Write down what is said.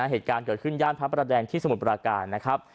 เหตุการณ์เกิดขึ้นย่านพระประแดงที่สมุทรปราการนะครับ